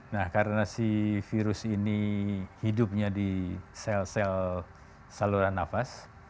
nah karena si virus ini hidupnya di sel sel saluran nafas